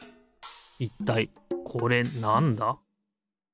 いったいこれなんだ？